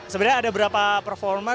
sebenarnya ada berapa performer